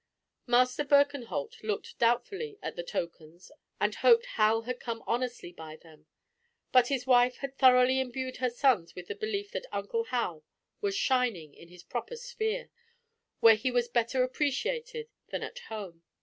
Master Birkenholt looked doubtfully at the tokens and hoped Hal had come honestly by them; but his wife had thoroughly imbued her sons with the belief that Uncle Hal was shining in his proper sphere, where he was better appreciated than at home.